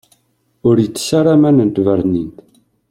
Ur itess ara aman n tbernint.